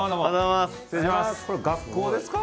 これ学校ですか？